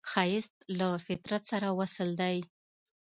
ښایست له فطرت سره وصل دی